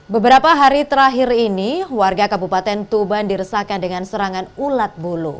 beberapa hari terakhir ini warga kabupaten tuban diresahkan dengan serangan ulat bulu